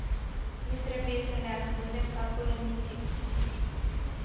Nu trebuie să ne ascundem capul în nisip.